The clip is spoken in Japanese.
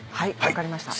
分かりました。